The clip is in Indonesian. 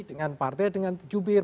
dengan partai dengan jubir